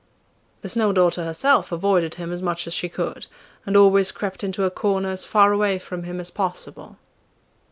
The Snow daughter herself avoided him as much as she could, and always crept into a corner as far away from him as possible.